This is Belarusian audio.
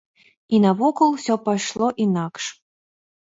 І навокал усё пайшло інакш.